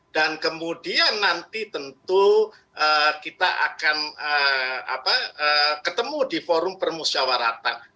dan kemudian nanti tentu kita akan ketemu di forum permusyawaratan